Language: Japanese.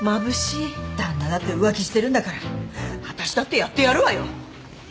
旦那だって浮気してるんだから私だってやってやるわよ。